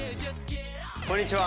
こんにちは。